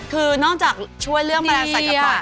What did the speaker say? คือนอกจากช่วยเรื่องแมลงสัตว์กระต่อย